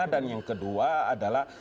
dan yang kedua adalah